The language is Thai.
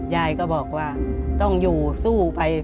ยายก็บอกว่าต้องอยู่สู้ไป